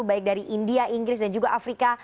baik dari india inggris dan juga afrika